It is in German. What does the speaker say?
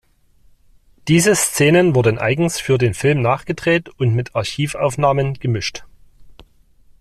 Diese Szenen wurden eigens für den Film nachgedreht und mit Archivaufnahmen gemischt.